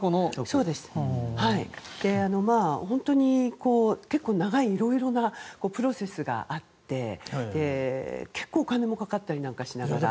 本当に長いいろいろなプロセスがあって結構、お金もかかったりなんかしながら。